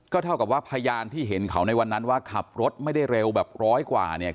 เท่ากับว่าพยานที่เห็นเขาในวันนั้นว่าขับรถไม่ได้เร็วแบบร้อยกว่าเนี่ย